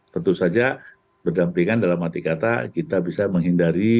tentu saja berdampingan dalam arti kata kita bisa menghindari